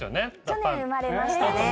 去年生まれましたね